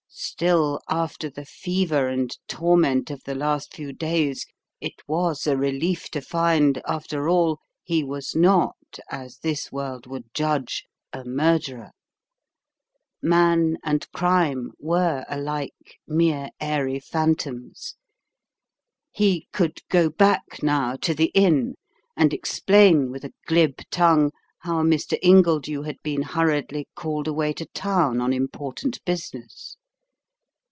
Still, after the fever and torment of the last few days, it was a relief to find, after all, he was not, as this world would judge, a murderer. Man and crime were alike mere airy phantoms. He could go back now to the inn and explain with a glib tongue how Mr. Ingledew had been hurriedly called away to town on important business.